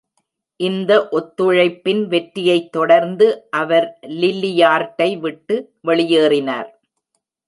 இந்த ஒத்துழைப்பின் வெற்றியைத் தொடர்ந்து, அவர் லில்லி யார்டை விட்டு வெளியேறினார்.